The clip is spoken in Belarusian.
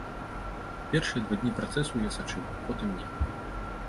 Першыя два дні працэсу я сачыў, потым не.